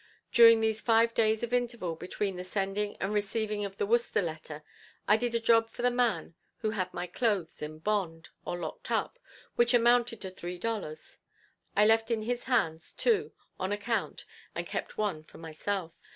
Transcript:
During these five days of interval between the sending and receiving the Worcester letter, I did a job for the man who had my clothes in bond or locked up, which amounted to three dollars. I left in his hands two, on account, and kept one for myself.